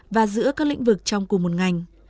và giữa các lĩnh vực trong cùng một ngành